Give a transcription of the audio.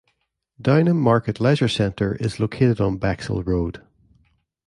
Downham Market Leisure Centre is located on Bexwell Road.